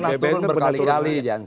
dia pernah turun berkali kali janssen